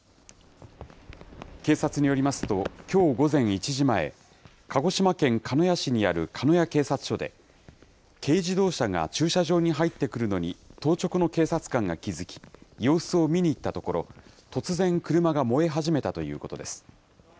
警察によりますと、きょう午前１時前、鹿児島県鹿屋市にある鹿屋警察署で、軽自動車が駐車場に入ってくるのに当直の警察官が気付き、様子を見に行ったところ、突然、車が燃え始めたということです。